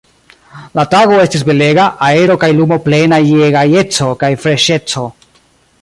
La tago estis belega, aero kaj lumo plenaj je gajeco kaj freŝeco.